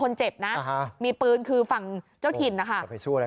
คนเจ็บนะมีปืนคือฝั่งเจ้าถิ่นนะคะจะไปช่วยอะไร